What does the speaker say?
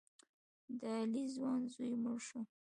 د علي ځوان زوی مړ شو.